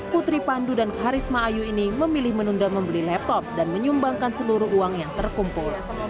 putri pandu dan karisma ayu ini memilih menunda membeli laptop dan menyumbangkan seluruh uang yang terkumpul